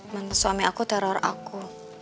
menurut suami aku teror aku